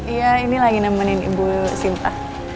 iya ini lagi nemenin ibu sinta